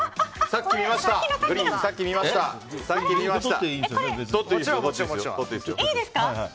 私いいですか？